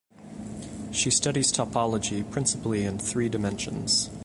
She studies topology principally in three dimensions.